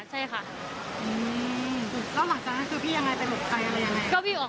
แต่ตอนนี้ข้างในก็เคียร์เคียร์เรียบร้อยแล้วค่ะใช่ค่ะใช่ค่ะ